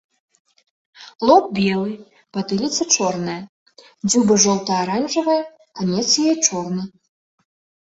Лоб белы, патыліца чорная, дзюба жоўта-аранжавая, канец яе чорны.